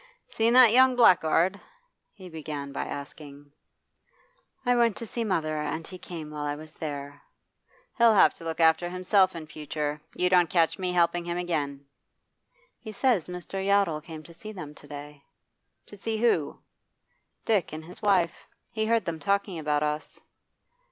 'Seen that young blackguard?' he began by asking. 'I went to see mother, and he came while I was there.' 'He'll have to look after himself in future. You don't catch me helping him again.' 'He says Mr. Yottle came to see them to day.' 'To see who?' 'Dick and his wife. He heard them talking about us.